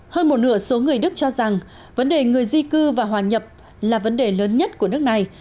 hơn một nửa số người đức cho rằng vấn đề người di cư và hòa nhập là vấn đề lớn nhất của nước này